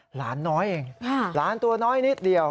หลานน้อยเองหลานตัวน้อยนิดเดียว